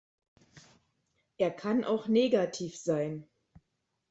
Er kann auch negativ sein.